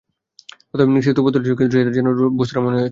প্রথম ইনিংসে তোপধ্বনি ছিল, কিন্তু সেটা কেমন যেন বেসুরো মনে হয়েছে।